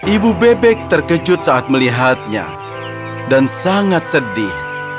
ibu bebek terkejut saat melihatnya dan sangat sedih